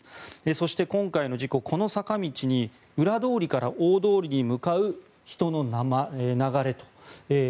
そして、今回の事故この坂道に裏通りから大通りに向かう人の流れ